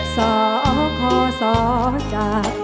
ส้อขอส้อจาก